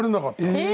え！？